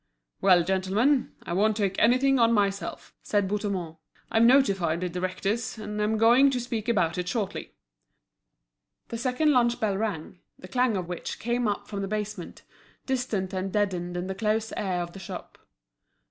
"Well, gentlemen, I won't take anything on myself," said Bouthemont. "I've notified the directors, and am going to speak about it shortly." The second lunch bell rang, the clang of which came up from the basement, distant and deadened in the close air of the shop.